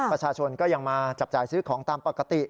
ประชาชนก็ยังมาจับจ่ายซื้อของตามปกติ